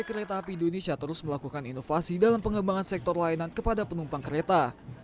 pt kereta api indonesia terus melakukan inovasi dalam pengembangan sektor layanan kepada penumpang kereta